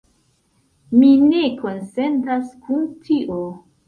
Mi ne konsentas kun tio.